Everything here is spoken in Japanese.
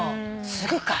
すぐか。